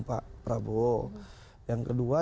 pak prabowo yang kedua